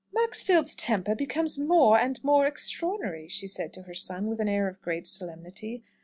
"Maxfield's temper becomes more and more extraordinary," she said to her son, with an air of great solemnity.